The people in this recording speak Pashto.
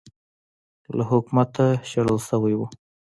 له حکومته شړل شوی و